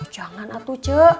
jangan hatu ce